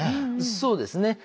そうですね。